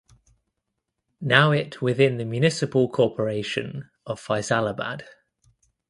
Now it within the municipal corporation of Faisalabad.